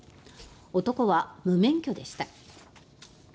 男は無免許でした。